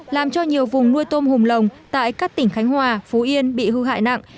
làm cho nhiều vùng nuôi tôm hùm lồng tại các tỉnh khánh hòa phú yên bị hư hại nặng